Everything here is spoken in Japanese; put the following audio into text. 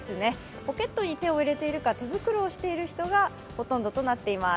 ポケットに手を入れているか手袋をしている人が大半になっています。